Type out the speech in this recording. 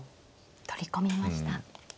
取り込みました。